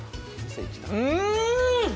うん！